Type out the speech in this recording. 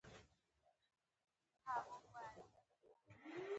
د ژبې په اوسنۍ فلسفه کې.